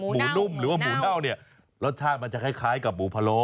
นุ่มหรือว่าหมูเน่าเนี่ยรสชาติมันจะคล้ายกับหมูพะโล